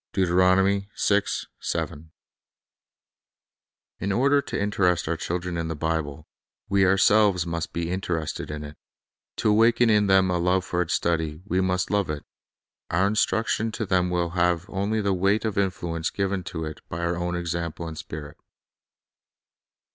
1 In order to interest our chil dren in the Bible, we ourselves must be interested in it. To awaken in them a love for its study, we must love it. Our instruction to them will have only the weight of influence given it by our own example and spirit.